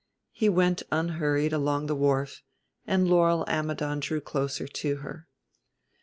He went unhurried along the wharf, and Laurel Ammidon drew closer to her.